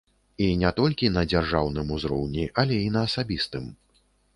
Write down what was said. І не толькі на дзяржаўным узроўні, але і на асабістым.